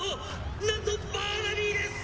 なんとバーナビーです！！